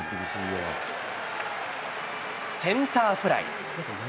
センターフライ。